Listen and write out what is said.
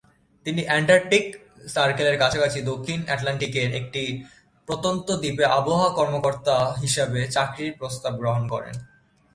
তিনি অ্যান্টার্কটিক সার্কেলের কাছাকাছি দক্ষিণ আটলান্টিকের একটি প্রত্যন্ত দ্বীপে আবহাওয়া কর্মকর্তা হিসাবে চাকরির প্রস্তাব গ্রহণ করেন।